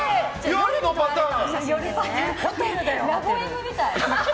夜のパターン！